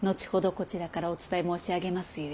こちらからお伝え申し上げますゆえ。